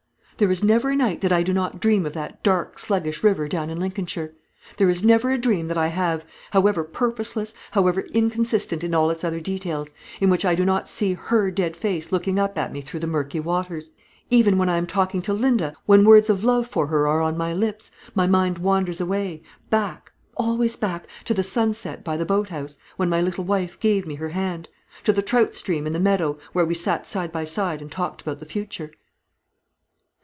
There is never a night that I do not dream of that dark sluggish river down in Lincolnshire. There is never a dream that I have however purposeless, however inconsistent in all its other details in which I do not see her dead face looking up at me through the murky waters. Even when I am talking to Linda, when words of love for her are on my lips, my mind wanders away, back always back to the sunset by the boat house, when my little wife gave me her hand; to the trout stream in the meadow, where we sat side by side and talked about the future."